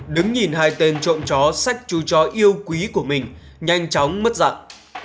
đứng nhìn hai tên trộm chó sách chú chó yêu quý của mình nhanh chóng mất giặc